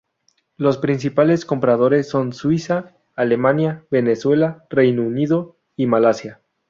Los principales compradores son Suiza, Alemania, Venezuela, Reino Unido y Malasia.